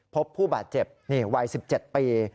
พบผู้บาดเจ็บนี่วัย๑๗ปี